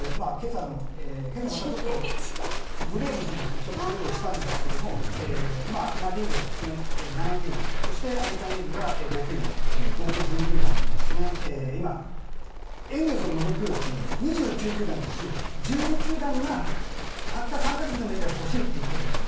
今朝、またちょっとブレーブスもナ・リーグは７球団そしてアメリカン・リーグが５球団合計１２球団で今、エンゼルスを除く２９球団のうち１２球団がたった３か月でもいいから欲しいと言っているんです。